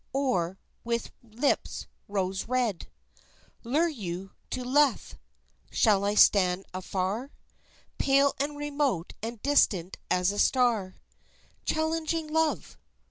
Or with lips rose red Lure you to Lethe? Shall I stand afar, Pale and remote and distant as a star, Challenging love?